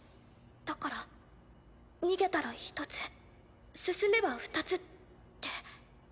だから逃げたら１つ進めば２つって。